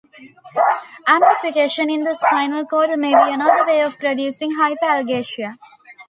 Amplification in the spinal cord may be another way of producing hyperalgesia.